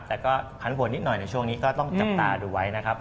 แต่ก็ผันผลนิดหน่อยในช่วงนี้ก็ต้องจับตาดูไว้นะครับ